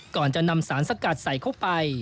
ก่อนจะนำสารสกัดใส่เข้าไป